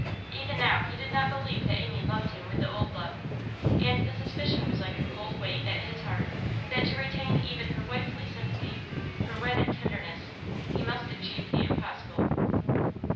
Even now he did not believe that Amy loved him with the old love, and the suspicion was like a cold weight at his heart that to retain even her wifely sympathy, her wedded tenderness, he must achieve the impossible.